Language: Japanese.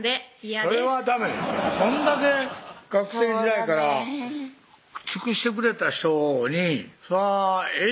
それはダメこんだけ学生時代から尽くしてくれた人にそれはええ